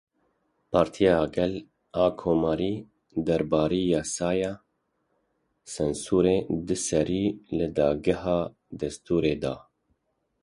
Partiya Gel a Komarî derbarê Yasaya Sansurê de serî li Dageha Destûrê da.